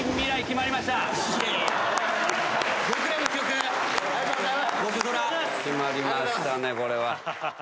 決まりましたねこれは。